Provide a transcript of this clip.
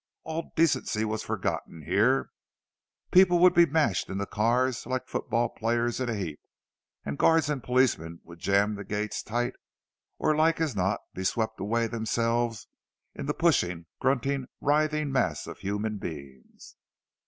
All decency was forgotten here—people would be mashed into cars like football players in a heap, and guards and policemen would jam the gates tight—or like as not be swept away themselves in the pushing, grunting, writhing mass of human beings.